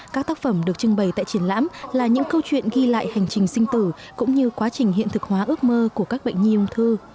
các tác phẩm được trưng bày tại triển lãm là những câu chuyện ghi lại hành trình sinh tử cũng như quá trình hiện thực hóa ước mơ của các bệnh nhi ung thư